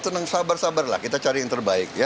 tenang sabar sabarlah kita cari yang terbaik ya